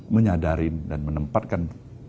menyadarin dan menempatkan